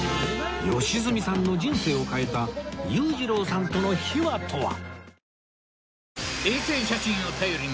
良純さんの人生を変えた裕次郎さんとの秘話とは？